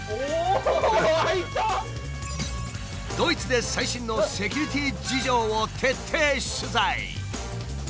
ドイツで最新のセキュリティー事情を徹底取材。